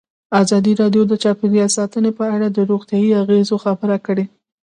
ازادي راډیو د چاپیریال ساتنه په اړه د روغتیایي اغېزو خبره کړې.